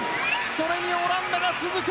それにオランダが続く。